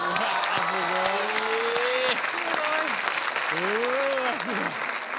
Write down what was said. うすごい。